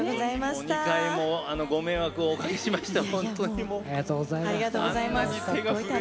２回もご迷惑をおかけしました。